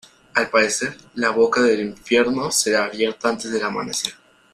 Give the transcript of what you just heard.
Al parecer, la boca del infierno será abierta antes del amanecer.